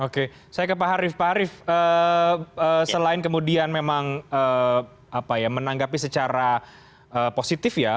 oke saya ke pak harif pak arief selain kemudian memang menanggapi secara positif ya